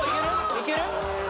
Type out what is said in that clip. いける？